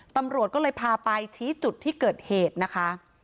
ตำรวจก็เลยพาไปชี้จุดที่เกิดเหตุนะคะ